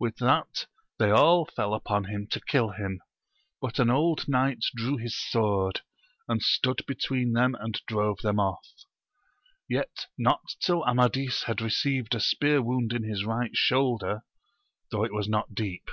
With that they all fell upon him to kill him, but an old knight drew his sword, and stood between and drove them off ; yet not till Amadis had received a spear wound in his right shoulder, though it was not deep.